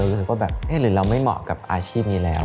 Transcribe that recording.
คือว่าเฮ้ยหรือเราไม่เหมาะกับอาชีพนี้แล้ว